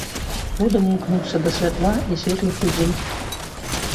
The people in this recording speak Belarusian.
Будам імкнуцца да святла і светлых людзей.